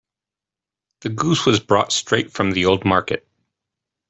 The goose was brought straight from the old market.